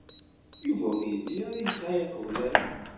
Yuba ur yelli ara yesɛa iɣeblan.